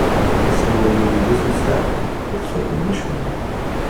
Ass-nni ad wen-yili d ass n usteɛfu, ur txeddmem acemma.